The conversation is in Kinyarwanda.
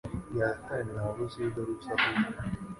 Bwira satani navuze iyo ugarutse aho uva